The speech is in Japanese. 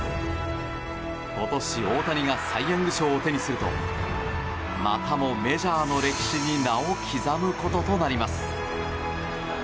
今年、大谷がサイ・ヤング賞を手にするとまたもメジャーの歴史に名を刻むこととなります。